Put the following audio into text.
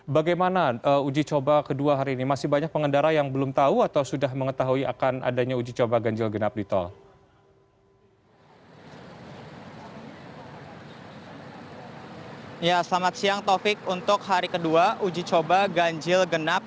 bagaimana uji coba kedua hari ini masih banyak pengendara yang belum tahu atau sudah mengetahui akan adanya uji coba ganjil genap di tol